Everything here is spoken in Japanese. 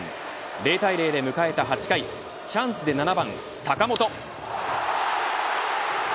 ０対０で迎えた８回チャンスで７番坂本。